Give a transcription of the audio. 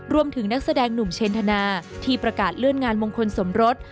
นักแสดงหนุ่มเชนธนาที่ประกาศเลื่อนงานมงคลสมรส